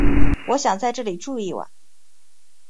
我想在这里住一晚